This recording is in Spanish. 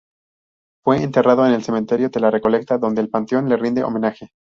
Fue enterrado en el cementerio de La Recoleta donde un panteón le rinde homenaje.